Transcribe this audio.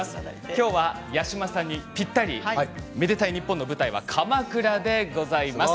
きょうは八嶋さんにぴったり「愛でたいｎｉｐｐｏｎ」の舞台、鎌倉でございます。